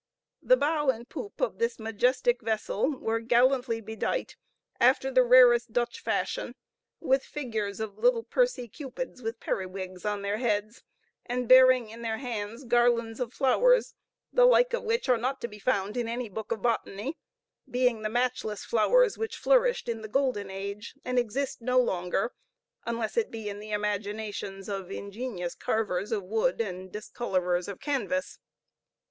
The bow and poop of this majestic vessel were gallantly bedight, after the rarest Dutch fashion, with figures of little pursy Cupids with periwigs on their heads, and bearing in their hands garlands of flowers the like of which are not to be found in any book of botany, being the matchless flowers which flourished in the golden age, and exist no longer, unless it be in the imaginations of ingenious carvers of wood and discolorers of canvas.